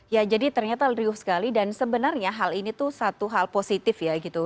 ya jadi ternyata riuh sekali dan sebenarnya hal ini tuh satu hal positif ya gitu